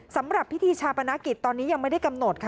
สำหรับพิธีชาปนกิจตอนนี้ยังไม่ได้กำหนดค่ะ